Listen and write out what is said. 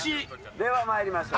では参りましょう。